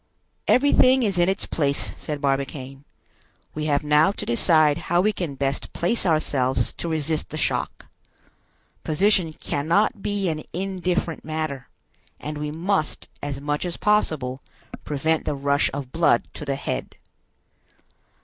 "Everything is in its place," said Barbicane. "We have now to decide how we can best place ourselves to resist the shock. Position cannot be an indifferent matter; and we must, as much as possible, prevent the rush of blood to the head."